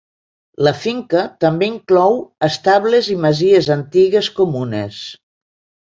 La finca també inclou, estables i masies antigues comunes.